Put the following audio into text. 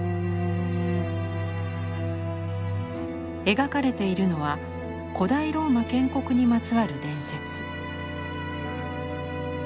描かれているのは古代ローマ建国にまつわる伝説。